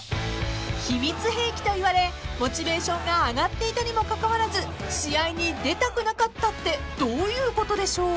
［秘密兵器と言われモチベーションが上がっていたにもかかわらず試合に出たくなかったってどういうことでしょう？］